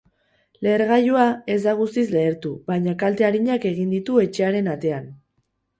Lehergailua ez da guztiz lehertu, baina kalte arinak egin ditu etxearen atean.